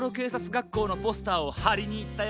がっこうのポスターをはりにいったよ。